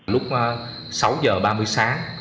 lúc sáu h ba mươi sáng